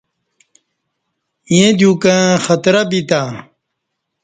ییں دیوکہ خطرہ بیتہ